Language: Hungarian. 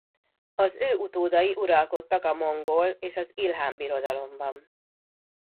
Az ő utódai uralkodtak a Mongol és az Ilhán Birodalomban.